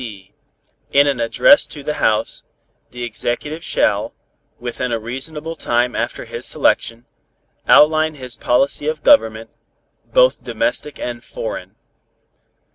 (c) In an address to the House, the Executive shall, within a reasonable time after his selection, outline his policy of Government, both domestic and foreign.